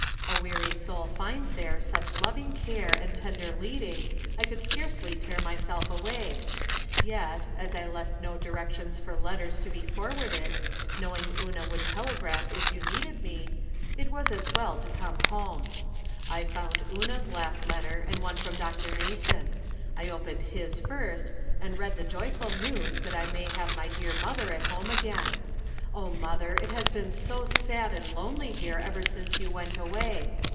A weary soul finds there such loving care and tender leading I could scarcely tear myseKaway ; yet, as I left no direc tions for letters to be forwarded, knowing Una would telegraph if you needed me, it was as well to come home. I found Una's last letter 262 From Different Standpoints. and one from Dr. Mason. I opened his first, and read the joyful news that I may have my dear mother at home again. Oh, mother, it has been so sad and lonely here ever since you went away.